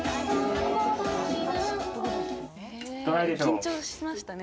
緊張しましたね